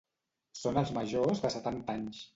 Són els majors de setanta anys.